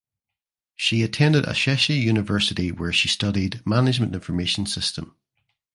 She attended Ashesi University where she studied Management Information System.